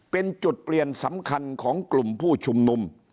เป็นจุดเปลี่ยนสำคัญของกลุ่มผู้ชุมนุม